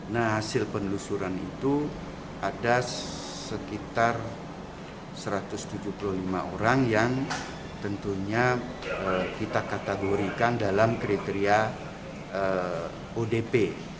nah hasil penelusuran itu ada sekitar satu ratus tujuh puluh lima orang yang tentunya kita kategorikan dalam kriteria odp